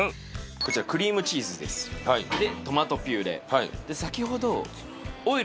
こちらクリームチーズですでトマトピューレ先ほどオイルに浸した松茸